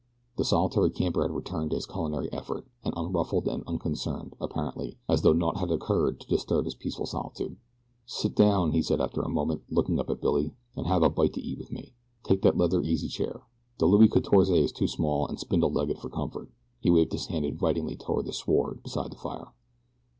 The solitary camper had returned to his culinary effort, as unruffled and unconcerned, apparently, as though naught had occurred to disturb his peaceful solitude. "Sit down," he said after a moment, looking up at Billy, "and have a bite to eat with me. Take that leather easy chair. The Louis Quatorze is too small and spindle legged for comfort." He waved his hand invitingly toward the sward beside the fire.